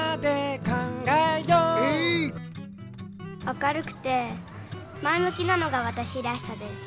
明るくて前むきなのがわたしらしさです。